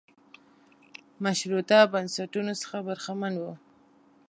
مشروطه بنسټونو څخه برخمن و.